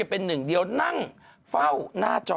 เป็นหนึ่งเดียวนั่งเฝ้าหน้าจอ